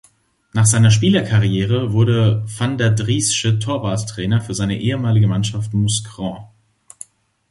Nach seiner Spielerkarriere wurde Vandendriessche Torwarttrainer für seine ehemalige Mannschaft Mouscron.